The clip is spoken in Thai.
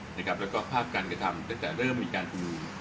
แล้วก็ภาพการกระทำตั้งแต่เริ่มมีการชุมนุม